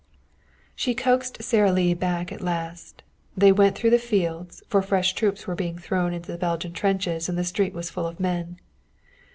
She coaxed Sara Lee back at last. They went through the fields, for fresh troops were being thrown into the Belgian trenches and the street was full of men.